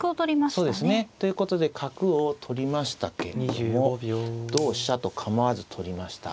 そうですね。ということで角を取りましたけれども同飛車と構わず取りました。